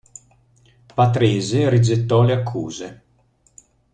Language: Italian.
Patrese rigettò le accuse.